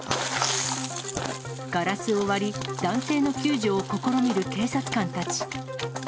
ガラスを割り、男性の救助を試みる警察官たち。